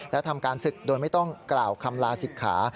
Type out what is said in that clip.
และทำการศึกโดยไม่ต้องกล่าวคำลาศิกขา